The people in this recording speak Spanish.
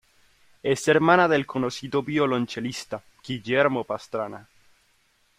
Es hermana del conocido violonchelista Guillermo Pastrana.